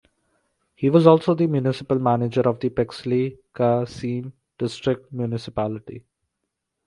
He was also the municipal manager of the Pixley ka Seme District Municipality.